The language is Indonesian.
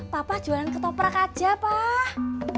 papa jualan ketoprak aja pak